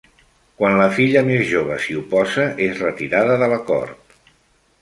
Quan la filla més jove s'hi oposa, és retirada de l'acord.